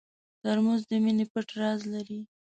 ترموز د مینې پټ راز لري.